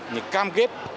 những cam kết